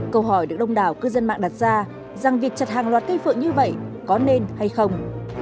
câu hỏi được đông đảo cư dân mạng đặt ra rằng việc chặt hàng loạt cây phượng như vậy có nên hay không